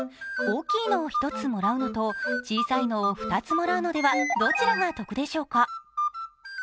大きいのを１つもらうのと小さいのを２つもらうのではどちらが得でしょうか。